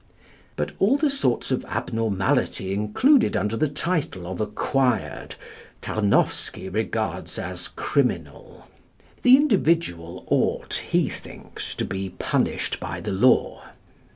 But all the sorts of abnormality included under the title of acquired Tarnowsky regards as criminal. The individual ought, he thinks, to be punished by the law.